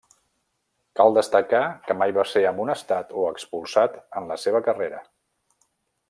Cal destacar que mai va ser amonestat o expulsat en la seva carrera.